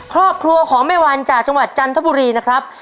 ครอบครัวของแม่วันจากจังหวัดจันทบุรีนะครับ